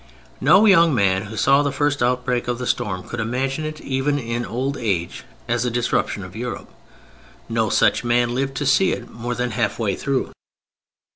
No young man who saw the first outbreak of the storm could imagine it even in old age, as a disruption of Europe. No such man lived to see it more than half way through.